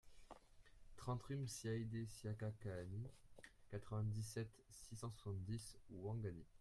trente rUE MSAIDIE SIAKA KAHANI, quatre-vingt-dix-sept, six cent soixante-dix, Ouangani